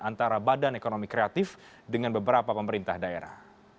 antara badan ekonomi kreatif dengan beberapa pemerintah daerah